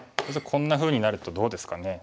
こんなふうになるとどうですかね。